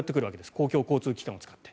公共交通機関を使って。